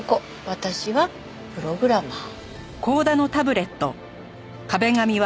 「私はプログラマー」